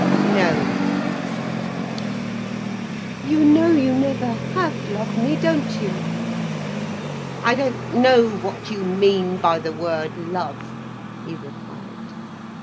"No," he said. "You know you never have loved me, don't you?" "I don't know what you mean by the word "love," he replied.